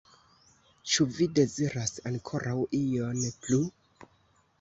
Ĉu vi deziras ankoraŭ ion plu?